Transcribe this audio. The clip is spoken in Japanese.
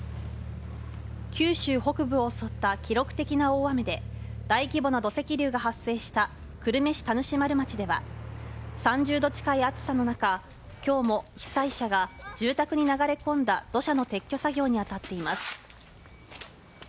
九州北部を襲った記録的な大雨で大規模な土石流が発生した久留米市田主丸町では３０度近い暑さの中今日も被災者が住宅に流れ込んだ土砂の撤去作業に当たっています。